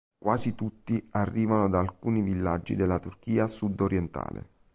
Quasi tutti arrivano da alcuni villaggi della Turchia sud-orientale.